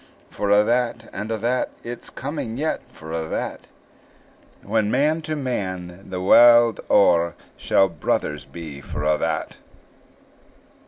For a' that, and a' that, It's coming yet, for a' that, When man to man, the warld o'er, Shall brothers be for a' that!